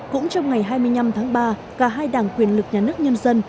cũng trong ngày hai mươi năm tháng ba cả hai đảng quyền lực nhà nước nhân dân